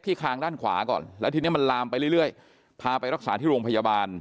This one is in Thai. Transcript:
คางด้านขวาก่อนแล้วทีนี้มันลามไปเรื่อยพาไปรักษาที่โรงพยาบาล